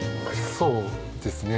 そうですね。